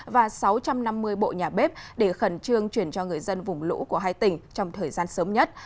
và sáu trăm năm mươi bộ nhà bếp để khẩn trương chuyển cho người dân vùng lũ của hai tỉnh trong thời gian sớm nhất